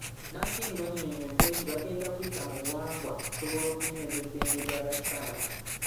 Nankindu annyonnyodde nti bagenda kuyita mu buwangwa okusobola okunyweza eddembe ly'abakyala.